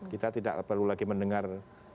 kita tidak perlu lagi mendengar